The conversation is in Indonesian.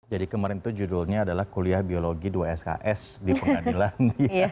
jadi kemarin itu judulnya adalah kuliah biologi dua sks di pengadilan